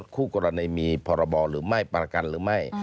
คู่กรณีมีพรบหรือไม่ประกันหรือไม่